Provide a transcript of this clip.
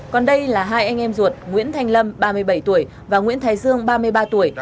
còn đây là hai anh em ruột nguyễn thanh lâm ba mươi bảy tuổi và nguyễn thái dương ba mươi ba tuổi